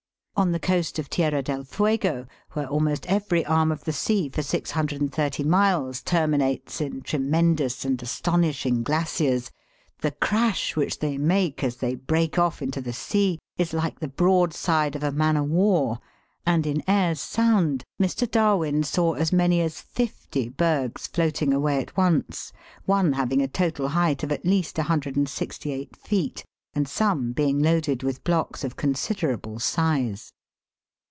On the coast of Tierra del Fuego, where almost every arm of the sea for 630 miles terminates in " tremendous and astonishing glaciers," the crash which they make as they break off into the sea, is like the " broadside of a man o' war," and in Eyre's Sound Mr. Darwin saw as many as fifty bergs floating away at once, one having a total height of at least 168 feet, and some being loaded with blocks of considerable size.